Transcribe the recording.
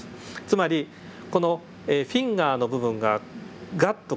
つまりこのフィンガーの部分がガッと